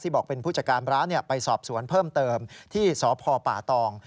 บอกเป็นผู้จัดการร้านไปสอบสวนเพิ่มเติมที่สพป่าตอง